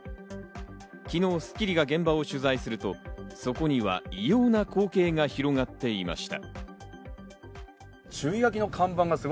昨日『スッキリ』が現場を取材すると、そこには異様な光景が広がっていました。